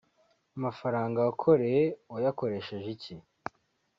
Amafaranga wakoreye wayakoresheje iki